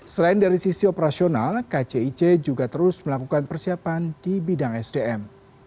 selain dari sisi operasional kcic juga terus melakukan persiapan di bidang sdm